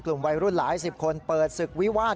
วัยรุ่นหลายสิบคนเปิดศึกวิวาส